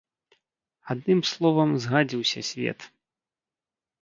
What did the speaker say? Адным словам, згадзіўся свет.